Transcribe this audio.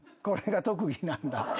これが特技なんだ。